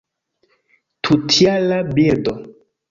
Tutjara birdo.